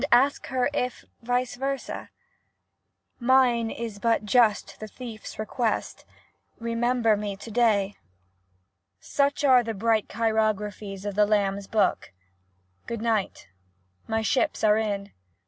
Ask her if vice versa ? Mine is but just the thiefs request —* Remember me to day.' Such are the bright chirographics of the 'Lamb's Book.' Good night ! My ships are in !